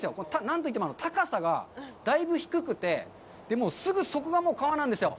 何といっても高さがだいぶ低くて、すぐそこが川なんですよ。